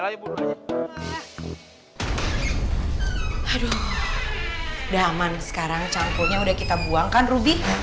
aduh udah aman sekarang campurnya udah kita buangkan ruby